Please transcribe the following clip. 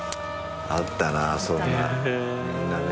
あったなそんなみんなね。